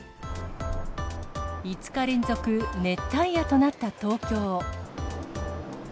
５日連続熱帯夜となった東京。